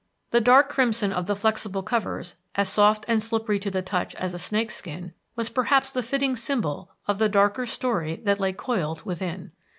The dark crimson of the flexible covers, as soft and slippery to the touch as a snake's skin, was perhaps the fitting symbol of the darker story that lay coiled within.